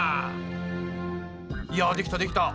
いやできたできた。